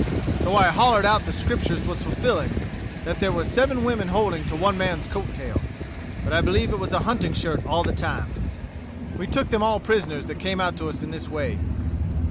So I hollered out the Scriptures was fulfilling; that there was seven women holding to one man's coat tail. But I believe it was a hunting shirt all the time. We took them all prisoners that came out to us in this way."